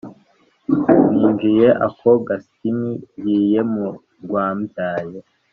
ninjiye ako gasimi ngiye mu rwmbyaye